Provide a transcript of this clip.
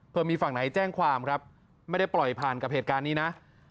เพื่อมีฝั่งไหนแจ้งความครับไม่ได้ปล่อยผ่านกับเหตุการณ์นี้นะ